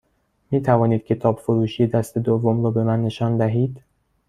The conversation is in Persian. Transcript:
می توانید کتاب فروشی دست دوم رو به من نشان دهید؟